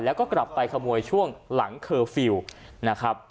แล้วก็กลับไปขโมยช่วงหลังเคอร์ฟิลล์นะครับ